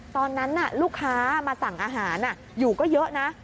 ตอนนั้นลูกค้ามาสั่งอาหารอยู่ก็เยอะนะ